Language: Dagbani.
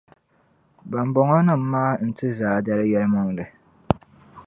Bambɔŋɔnima maa n-ti Zaadali yɛlimaŋli.